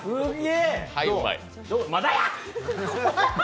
まだや！